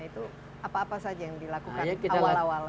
itu apa apa saja yang dilakukan awal awal